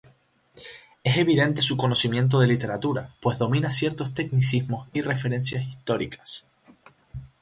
Es evidente su conocimiento de literatura, pues domina ciertos tecnicismos y referencias históricas.